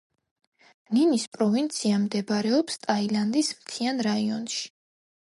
ნანის პროვინცია მდებარეობს ტაილანდის მთიან რაიონში.